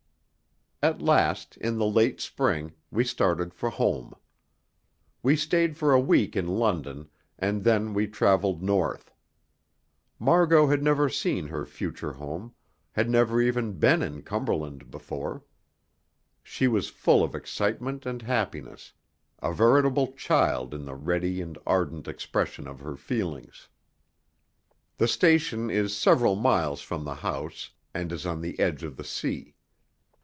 At last, in the late spring, we started for home. We stayed for a week in London, and then we travelled north. Margot had never seen her future home, had never even been in Cumberland before. She was full of excitement and happiness, a veritable child in the ready and ardent expression of her feelings. The station is several miles from the house, and is on the edge of the sea.